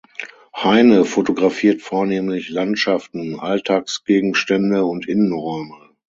Heyne fotografiert vornehmlich Landschaften, Alltagsgegenstände und Innenräume.